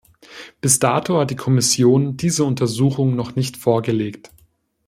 Bis dato hat die Kommission diese Untersuchung noch nicht vorgelegt.